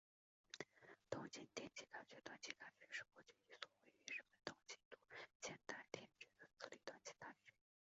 东京电机大学短期大学是过去一所位于日本东京都千代田区的私立短期大学。